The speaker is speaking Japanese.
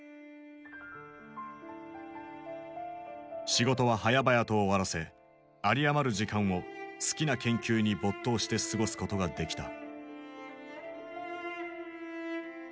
仕事ははやばやと終わらせ有り余る時間を好きな研究に没頭して過ごすことができた。